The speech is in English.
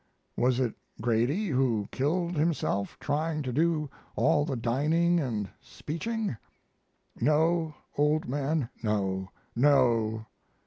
Was it Grady who killed himself trying to do all the dining and speeching? No, old man, no, no!